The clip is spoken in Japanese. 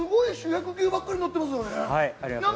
すごい主役級ばっかり乗ってますよね。